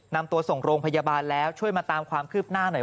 นำตัวส่งโรงพยาบาลแล้วช่วยมาตามความคืบหน้าหน่อย